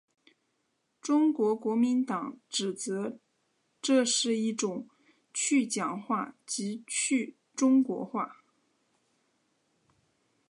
中国国民党指责这是一种去蒋化及去中国化。